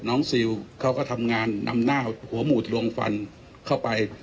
ซิลเขาก็ทำงานนำหน้าหัวหมูดลวงฟันเข้าไป